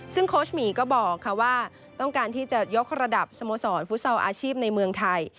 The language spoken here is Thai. ซึ่งโค้ชหมีก็บอกว่าต้องการที่จะยกระดับสโมสรฟุตซอลอาชีพในเมืองไทย